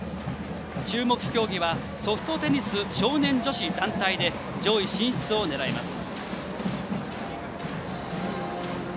注目競技はソフトテニス少年女子団体で上位進出を狙います。